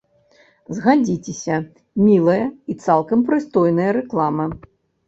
Згадзіцеся, мілая і цалкам прыстойная рэклама.